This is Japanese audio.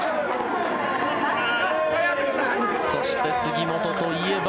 そして、杉本といえば。